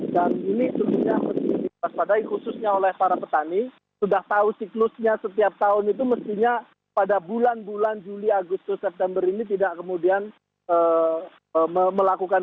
dan ini tentunya harus dipasakai khususnya oleh para petani sudah tahu siklusnya setiap tahun itu mestinya pada bulan bulan juli agustus september ini tidak kemudian melakukan